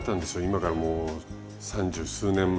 今からもう三十数年前。